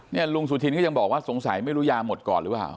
ลุงสุธินก็ยังบอกว่าสงสัยไม่รู้ยาหมดก่อนหรือเปล่า